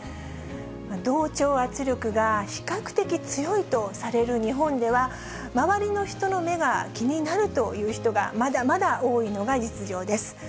同調圧力が比較的強いとされる日本では、周りの人の目が気になるという人がまだまだ多いのが実情です。